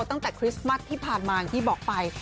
คริสต์มัสที่ผ่านมาอย่างที่บอกไป